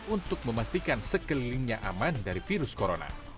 untuk memastikan sekelilingnya aman dari virus corona